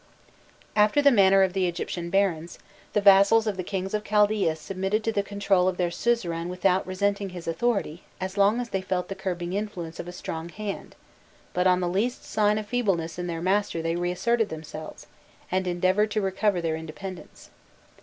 After the manner of the Egyptian barons, the vassals of the kings of Chaldaea submitted to the control of their suzerain without resenting his authority as long as they felt the curbing influence of a strong hand: but on the least sign of feebleness in their master they reasserted themselves, and endeavoured to recover their independence.